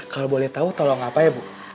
kalau boleh tahu tolong apa ya bu